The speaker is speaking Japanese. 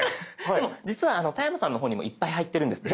でも実は田山さんの方にもいっぱい入ってるんです。